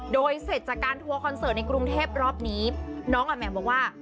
โดยเสร็จจากการทัวร์คอนเสิร์ตในกรุงเทพรอบนี้น้องอะแหม่มบอกว่า